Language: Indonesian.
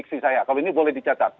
kalau ini boleh dicatat